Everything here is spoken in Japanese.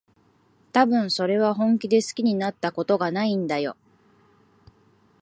たぶん、それは本気で好きになったことがないんだよ。